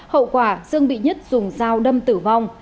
hậu quả dương bị nhất dùng dao đâm tử vong